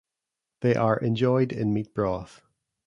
They are enjoyed in meat broth.